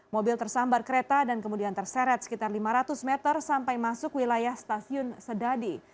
mobil tersambar kereta dan kemudian terseret sekitar lima ratus meter sampai masuk wilayah stasiun sedadi